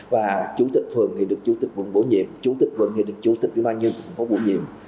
và chủ tịch phường thì được chủ tịch quận bổ nhiệm chủ tịch quận thì được chủ tịch ủy ban nhân quận có bổ nhiệm